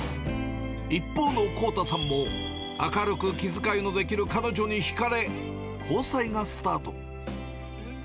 一方の康太さんも、明るく気遣いのできる彼女に引かれ、交際がスタート。